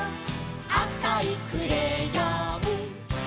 「あかいクレヨン」